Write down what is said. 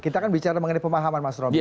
kita akan bicara mengenai pemahaman mas romy